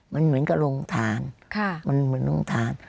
มันเหมือนกับโรงทานมันเหมือนโรงทาน